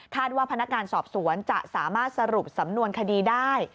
ว่าพนักงานสอบสวนจะสามารถสรุปสำนวนคดีได้